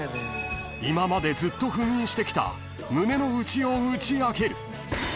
［今までずっと封印してきた胸の内を打ち明ける］